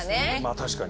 確かに。